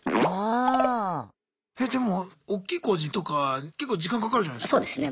えでもおっきい工事とか結構時間かかるじゃないすか。